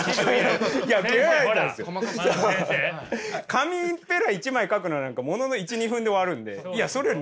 紙ペラ１枚描くのなんかものの１２分で終わるんでいやそれより内容を。